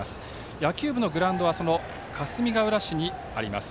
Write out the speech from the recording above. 野球部のグラウンドはかすみがうら市にあります。